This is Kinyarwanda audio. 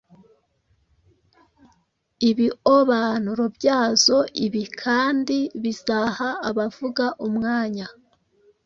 ibiobanuro byazo Ibi kandi bizaha abavuga umwanya